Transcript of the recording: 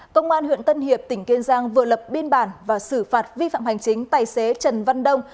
công an huyện tân hiệp tỉnh kiên giang vừa lập biên bản và xử phạt vi phạm hành chính tài xế trần văn đông